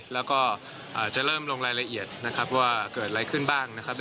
แล้วก็จะเริ่มลงรายละเอียดว่าเกิดอะไรขึ้นบ้าง